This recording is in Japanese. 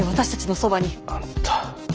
あんた。